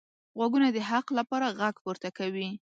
غوږونه د حق لپاره غږ پورته کوي